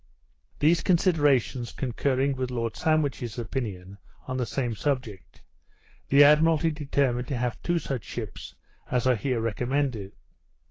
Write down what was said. These considerations concurring with Lord Sandwich's opinion on the same subject, the Admiralty determined to have two such ships as are here recommended.